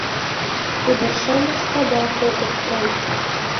Ӱдыр-шамыч садак огыт тол.